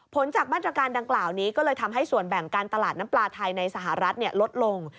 ผลจากมาตรการดังกล่าวนี้ก็เลยทำให้ส่วนแบ่งการตลาดน้ำปลาไทยในสหรัฐลดลง